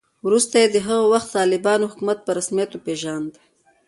وروسته یې د هغه وخت د طالبانو حکومت په رسمیت وپېژاند